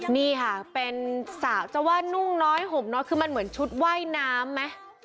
นี่ค่ะเป็นสาวเจ้าว่านุ่งน้อยห่มน้อยคือมันเหมือนชุดว่ายน้ำไหม